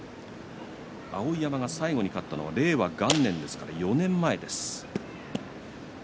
碧山が最後に勝ったのは令和元年ですから４年前です。